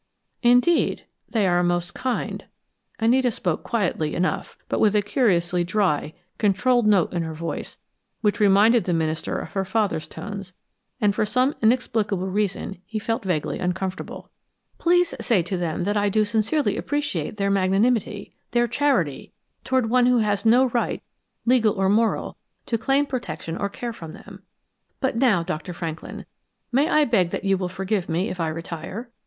"Indeed? They are most kind " Anita spoke quietly enough, but with a curiously dry, controlled note in her voice which reminded the minister of her father's tones, and for some inexplicable reason he felt vaguely uncomfortable. "Please say to them that I do sincerely appreciate their magnanimity, their charity, toward one who has no right, legal or moral, to claim protection or care from them. But now, Dr. Franklin, may I beg that you will forgive me if I retire?